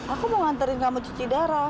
aku mau nganterin kamu cuci darah